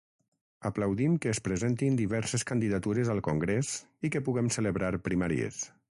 Aplaudim que es presentin diverses candidatures al congrés i que puguem celebrar primàries.